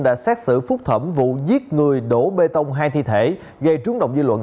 đã xét xử phúc thẩm vụ giết người đổ bê tông hai thi thể gây trúng động dư luận